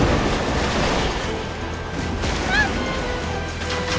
あっ！